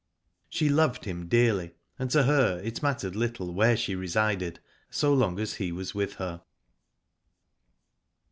She loved him dearly, and to her it mattered little where she resided, so long as he was with her.